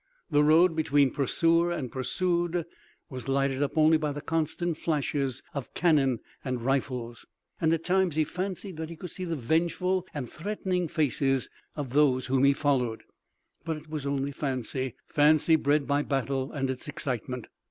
The road between pursuer and pursued was lighted up by the constant flashes of cannon and rifles, and at times he fancied that he could see the vengeful and threatening faces of those whom he followed, but it was only fancy, fancy bred by battle and its excitement.